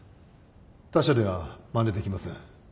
他社ではまねできません。